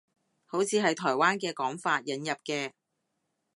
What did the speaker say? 好似係台灣嘅講法，引入嘅